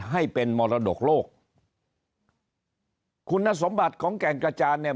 ให้เป็นมรดกโลกคุณสมบัติของแก่งกระจานเนี่ย